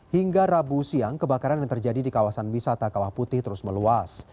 hingga rabu siang kebakaran yang terjadi di kawasan wisata kawah putih terus meluas